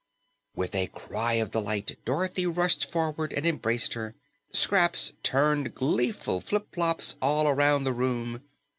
With a cry of delight, Dorothy rushed forward and embraced her. Scraps turned gleeful flipflops all around the room.